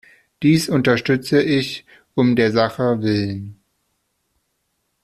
Dies unterstütze ich um der Sache willen.